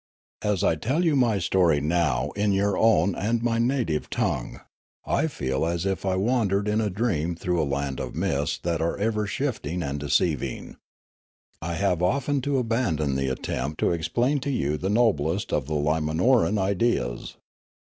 As I tell j'ou my story now in your own and my native tongue, I feel as if I wandered in a dream through a land of mists that are ever shifting and deceiving. I have often to abandon the attempt to explain to you the noblest of the Limanoran ideas.